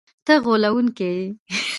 ته غولونکی یې!”